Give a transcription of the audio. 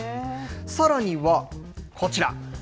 さらには、こちら。